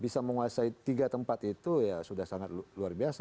bisa menguasai tiga tempat itu ya sudah sangat luar biasa